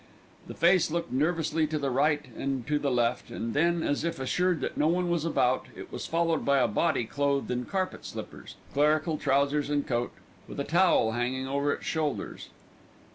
The face looked nervously to the right and to the left, and then, as if assured that no one was about, it was followed by a body clothed in carpet slippers, clerical trousers and coat, with a towel hanging over its shoulders.